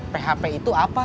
php itu apa